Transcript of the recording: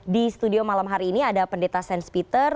di studio malam hari ini ada pendeta st peter